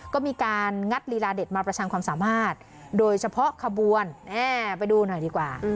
ก็มีการงัดลีลาเด็ดมาประชังความสามารถโดยเฉพาะขบวนไปดูหน่อยดีกว่า